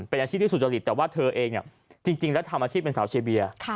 เป็นอาชีพที่สุจริตแต่ว่าเธอเองจริงแล้วทำอาชีพเป็นสาวเชียเบีย